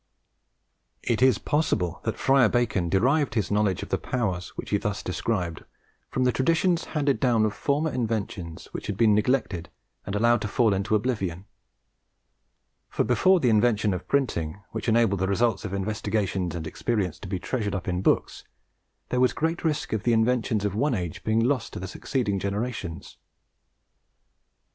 It is possible that Friar Bacon derived his knowledge of the powers which he thus described from the traditions handed down of former inventions which had been neglected and allowed to fall into oblivion; for before the invention of printing, which enabled the results of investigation and experience to be treasured up in books, there was great risk of the inventions of one age being lost to the succeeding generations.